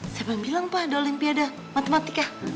siapa yang bilang pak ada olimpiade matematika